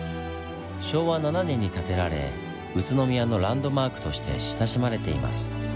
昭和７年に建てられ宇都宮のランドマークとして親しまれています。